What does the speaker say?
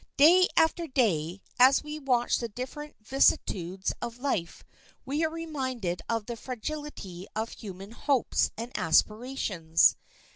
Day after day, as we watch the different vicissitudes of life, we are reminded of the frailty of human hopes and aspirations.